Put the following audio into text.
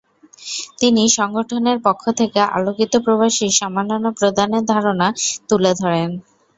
তিনি সংগঠনের পক্ষ থেকে আলোকিত প্রবাসীর সম্মাননা প্রদানের ধারণা তুলে ধরেন।